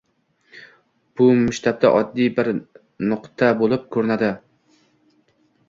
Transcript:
Bu masshtabda oddiy bir nuqta boʻlib koʻrinadi.